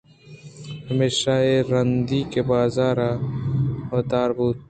پمیشا اے رندی کہ بازار ءَ واتر بُوت